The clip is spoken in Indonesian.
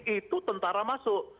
itu tentara masuk